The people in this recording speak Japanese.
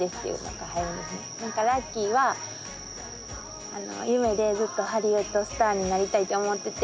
ラッキーは夢でずっとハリウッドスターになりたいって思ってて。